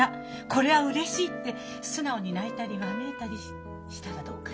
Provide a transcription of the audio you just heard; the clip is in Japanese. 「これはうれしい」って素直に泣いたりわめいたりしたらどうかしらね？